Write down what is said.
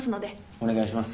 お願いします。